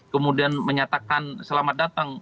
kemudian menyatakan selamat datang